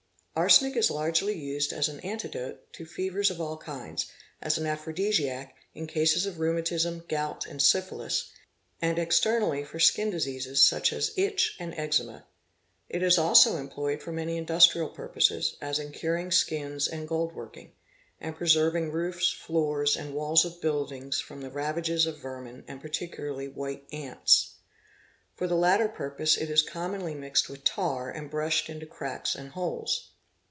Arsenic is largely used as an antidote to fevers of all kinds, as an aphrodisiac, in cases of rheumatism, gout, and syphilis, and ex ' ternally for skin diseases such as itch and eczema. It is also employed : or many industrial purposes, as in curing skins and gold working; and preserving roofs, floors, and walls of buildings from the ravages of vermin and particularly white ants. For the latter purpose it is commonly mixed with tar and brushed into cracks and holes.